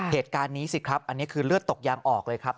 เหตุการณ์นี้สิครับอันนี้คือเลือดตกยางออกเลยครับ